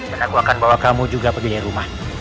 dan aku akan bawa kamu juga pergi dari rumah